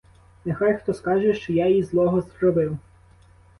Нехай хто скаже, що я їй злого зробив!